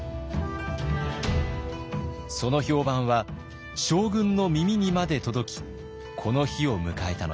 その評判は将軍の耳にまで届きこの日を迎えたのです。